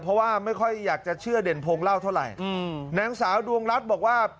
เพราะว่าไม่ค่อยอยากจะเชื่อเด่นพงเล่าเท่าไหร่อืมนางสาวดวงรัฐบอกว่า